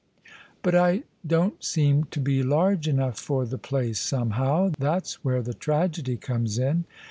" But I don't seem to be large enough for the place some how. That's where the tragedy comes in."